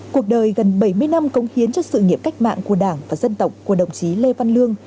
cuộc đời gần bảy mươi năm cống hiến cho sự nghiệp cách mạng của đảng và dân tộc của đồng chí lê văn lương